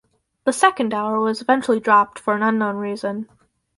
The second hour was eventually dropped for an unknown reason.